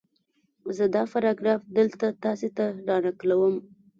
زه دا پاراګراف دلته تاسې ته را نقلوم